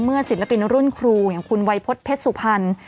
ศิลปินรุ่นครูอย่างคุณวัยพฤษเพชรสุพรรณ